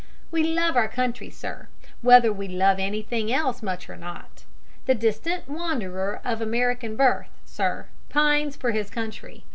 We love our country, sir, whether we love anything else much or not. The distant wanderer of American birth, sir, pines for his country.